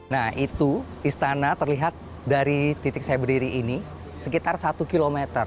nah itu istana terlihat dari titik saya berdiri ini sekitar satu km